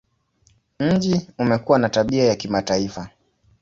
Mji umekuwa na tabia ya kimataifa.